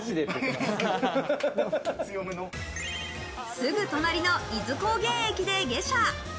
すぐ隣の伊豆高原駅で下車。